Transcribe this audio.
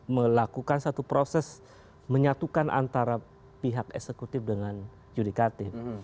melakukan satu proses menyatukan antara pihak eksekutif dengan yudikatif